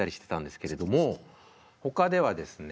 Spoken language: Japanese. ほかではですね